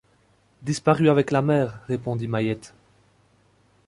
Disparu avec la mère, répondit Mahiette.